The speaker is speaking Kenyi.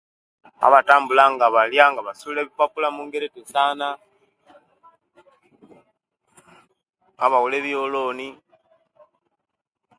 Abatambula nga balya nga basuula ebipapula omungeri tesaana ababula ebyolooni